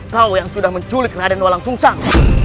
kau yang sudah menculik raden walang sungsang